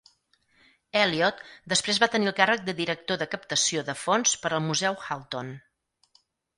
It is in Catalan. Elliot després va tenir el càrrec de director de captació de fons per al museu Halton.